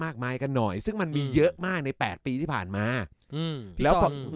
มากมายกันหน่อยซึ่งมันมีเยอะมากใน๘ปีที่ผ่านมา